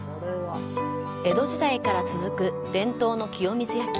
江戸時代から続く伝統の清水焼。